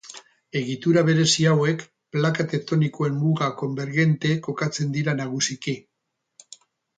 Egitura berezi hauek plaka tektonikoen muga konbergente kokatzen dira nagusiki.